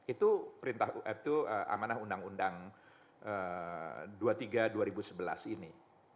itu perintah uf itu amanah undang undang dua puluh tiga dua ribu sebelas ini